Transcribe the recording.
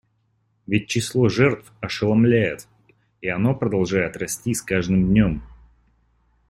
Ведь число жертв ошеломляет, и оно продолжает расти с каждым днем.